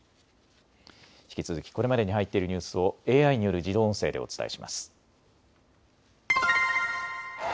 引き続き、これまでに入っているニュースをＡＩによる自動音声でお伝えします。